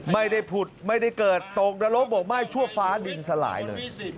ไม่ได้ผุดไม่ได้เกิดตกนรกบอกไหม้ชั่วฟ้าดินสลายเลย